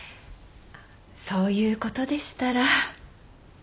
そういうことでしたらぜひ。